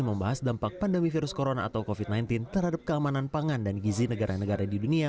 membahas dampak pandemi virus corona atau covid sembilan belas terhadap keamanan pangan dan gizi negara negara di dunia